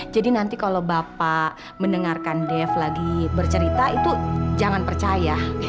jadi nanti kalau bapak mendengarkan div lagi bercerita itu jangan percaya